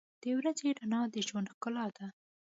• د ورځې رڼا د ژوند ښکلا ده.